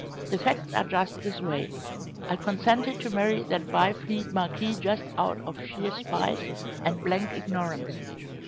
The facts are just this way. I consented to marry that Byfleet marquis just out of sheer spite and blank ignorance.